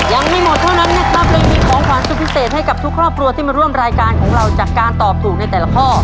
ยังไม่หมดเท่านั้นนะครับเรายังมีของขวานสุดพิเศษให้กับทุกครอบครัวที่มาร่วมรายการของเราจากการตอบถูกในแต่ละข้อ